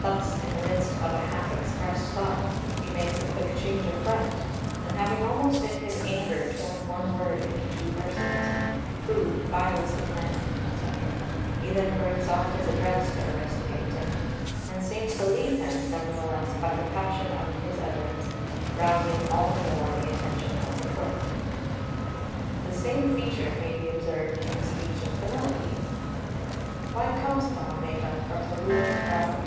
Thus in the midst of a half expressed thought he makes a quick change of front, and having almost in his anger torn one word into two persons, "who, vilest of men," etc., he then breaks off his address to Aristogeiton, and seems to leave him, nevertheless, by the passion of his utterance, rousing all the more the attention of the court. [Footnote 2: c. Aristog. i. 27.] 4 The same feature may be observed in a speech of Penelope's "Why com'st thou, Medon, from the wooers proud?